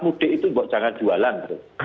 mudik itu jangan jualan